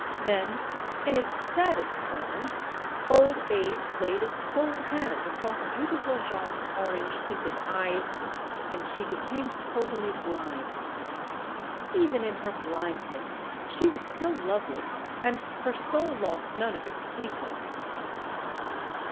Then, in its saddest form, old age laid its cold hand MADAME RECAMIER 249 across beautiful Jeanne's orange tinted eyes, and she became totally blind. Even in her blindness she was still lovely, and her soul lost none of its sweetness.